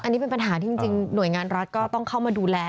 อันนี้เป็นปัญหาที่จริงหน่วยงานรัฐก็ต้องเข้ามาดูแล